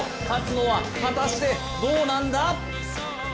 勝つのは果たして、どうなんだ？